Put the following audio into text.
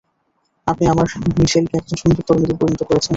আপনি আমার মিশেলকে একজন সুন্দর তরুণীতে পরিণত করেছেন!